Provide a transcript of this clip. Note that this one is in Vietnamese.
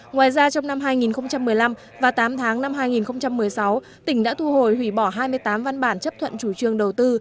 ngoài ra trong năm hai nghìn một mươi năm và tám tháng năm hai nghìn một mươi sáu tỉnh đã thu hồi hủy bỏ hai mươi tám văn bản chấp thuận chủ trương đầu tư